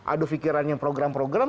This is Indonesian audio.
adu fikirannya program program